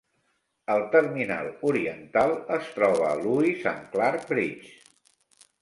El terminal oriental es troba a Lewis and Clark Bridge.